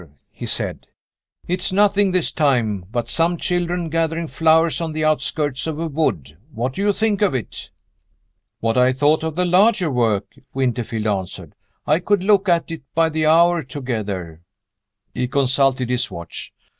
he said. "It's nothing, this time, but some children gathering flowers on the outskirts of a wood. What do you think of it?" "What I thought of the larger work," Winterfield answered. "I could look at it by the hour together." He consulted his watch.